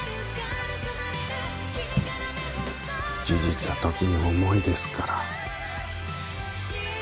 事実は時に重いですから。